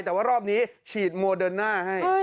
แต่ว่ารอบนี้ฉีดโมเดิร์น่าให้